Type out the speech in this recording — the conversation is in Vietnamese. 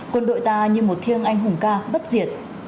quân đội ta như một thiêng anh hùng ca bất diệt